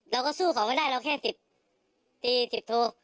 เราก็สู้เขาไม่ได้เราแค่สิบตีสิบโท